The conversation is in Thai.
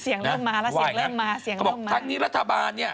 เสียงเริ่มมาแล้วเสียงเริ่มมาเขาบอกทักนี้รัฐบาลเนี่ย